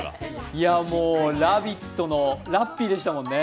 「ラヴィット！」のラッピーでしたもんね。